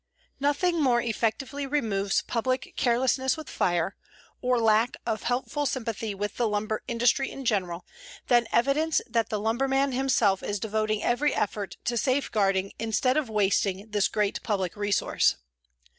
Nothing more effectively removes public carelessness with fire, or lack of helpful sympathy with the lumber industry in general, than evidence that the lumberman himself is devoting every effort to safeguarding instead of wasting this great public resource.